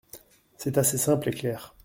C’est assez simple et clair.